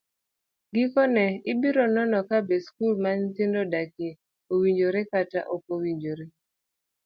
Gikone, ibiro nono kabe skul ma nyithindo dakie owinjore kata ok owinjore.